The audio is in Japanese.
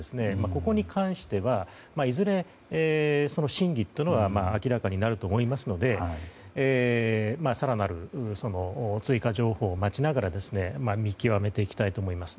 ここに関してはいずれ真偽というのは明らかになると思いますので更なる追加情報を待ちながら見極めていきたいと思います。